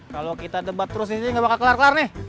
kalo kita debat terus disini gak bakal kelar kelar nih